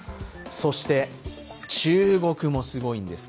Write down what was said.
そして、中国もすごいんです。